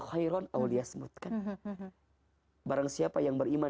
karena jumlah pekerjaan boleh kamu teman wonderful